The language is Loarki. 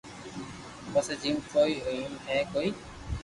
پسي جيم ڪيئو ايم اي ھوئي